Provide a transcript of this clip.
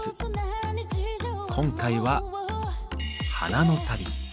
今回は「花の旅」。